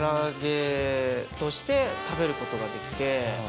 として食べることができて。